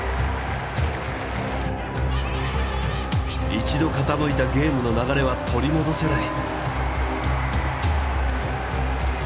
一度傾いたゲームの流れは取り戻せない。